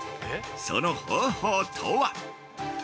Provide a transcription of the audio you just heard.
その方法とは？